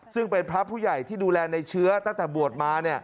ซึ่งเป็นพระผู้ใหญ่ที่ดูแลในเชื้อตั้งแต่บวชมา